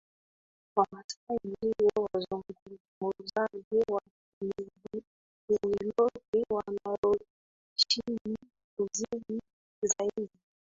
Wamasai ndio wazungumzaji wa Kiniloti wanaoishi kusini zaidi